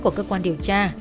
của cơ quan điều tra